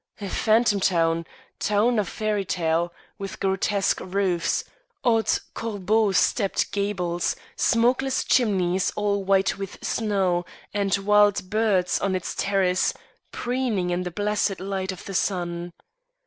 A phantom town town of fairy tale, with grotesque roofs, odd corbeau stepped gables, smokeless chimneys, all white with snow, and wild birds on its terrace, preening in the blessed light of the sun.